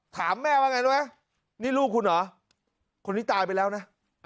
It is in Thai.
ถามแม่ว่าไงรู้ไหมนี่ลูกคุณเหรอคนนี้ตายไปแล้วนะ